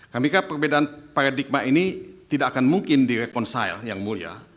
kami kira perbedaan paradigma ini tidak akan mungkin direconciled yang mulia